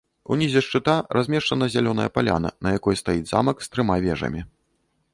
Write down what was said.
Унізе шчыта размешчана зялёная паляна, на якой стаіць замак з трыма вежамі.